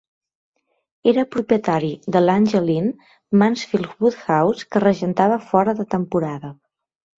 Era propietari de l'Angel Inn, Mansfield Woodhouse, que regentava fora de temporada.